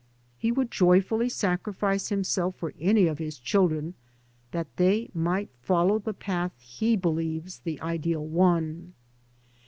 He would joyfully sacrifice himself for any of his children, that they might follow the path he believes the ideal one.